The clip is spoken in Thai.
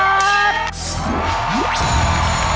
เกมต่อชีวิต